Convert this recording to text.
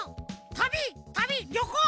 たびたびりょこう！